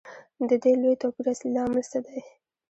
د دې لوی توپیر اصلي لامل څه دی